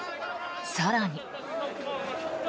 更に。